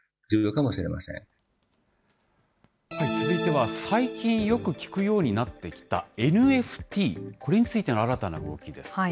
続いては最近、よく聞くようになってきたＮＦＴ、これについての新たな動きです。